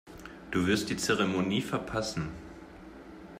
Du wirst die Zeremonie verpassen.